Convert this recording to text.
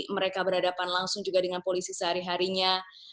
mereka berhadapan langsung juga dengan polisi sehari harinya